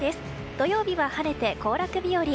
土曜日は晴れて行楽日和。